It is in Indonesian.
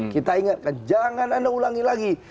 kita ingatkan jangan anda ulangi lagi